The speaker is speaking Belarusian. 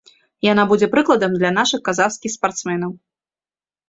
Яна будзе прыкладам для нашых казахскіх спартсменаў.